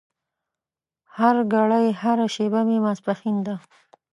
هرګړۍ هره شېبه مې ماسپښين ده